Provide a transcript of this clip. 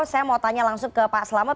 saya mau tanya langsung ke pak selamat